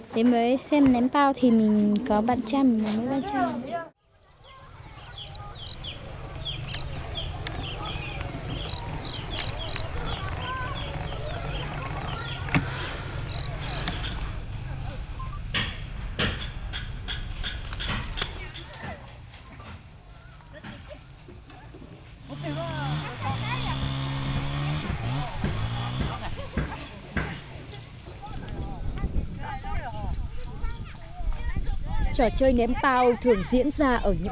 để mới xem ném bao thì mình có bạn cha mình ném với bạn cha